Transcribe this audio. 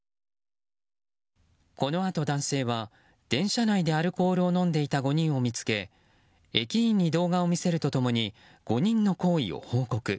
このあと、男性は電車内でアルコールを飲んでいた５人を見つけ駅員に動画を見せると共に５人の行為を報告。